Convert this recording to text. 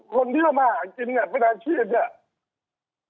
คนที่มากินเป็นอาชีพ